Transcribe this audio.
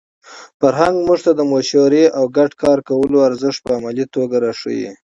فرهنګ موږ ته د مشورې او ګډ کار کولو ارزښت په عملي توګه راښيي.